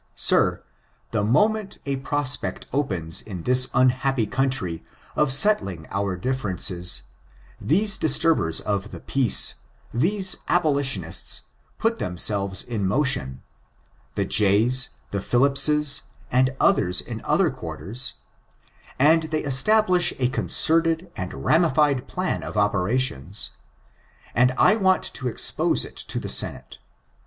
Sir, the moment a prospect opens in this unhappy country of settling our difierencea, these dbturbers of the peace, these abolitionists put themselves in motion — the Jays, the Pliillipses, and others in other quarters — and they establish a concerted and ramified plan of operations; and I want to expose it to the Senate.